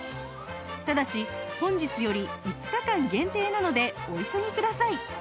ただし本日より５日間限定なのでお急ぎください